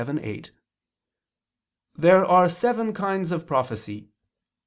vii, 8): "There are seven kinds of prophecy.